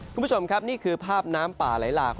คุณผู้ชมครับนี่คือภาพน้ำป่าไหลหลาก